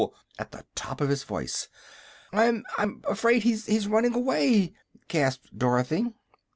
at the top of his voice. "I I'm 'fraid he's he's running away!" gasped Dorothy.